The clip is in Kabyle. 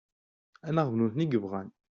Anaɣ d nutni i yebɣan?